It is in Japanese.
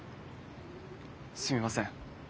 すみません。